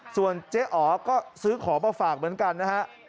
ส่วนเจ๊อ๋อก็ซื้อของมาฝากเหมือนกันนะฮะ